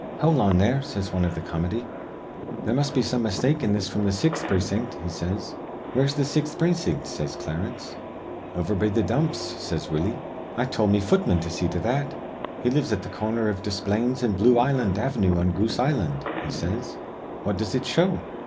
'Hol' on there,' says wan iv th' comity. 'There must be some mistake in this fr'm th' sixth precin't,' he says. 'Where's the sixth precin't?' says Clarence. 'Over be th' dumps,' says Willie. 'I told me futman to see to that. He lives at th' cor ner iv Desplaines an' Bloo Island Av'noo on Goose's Island,' he says. 'What does it show?'